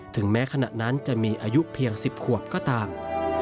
ถึงแม้ขณะนั้นจะมีอายุเพียง๑๐ขวบก็ตาม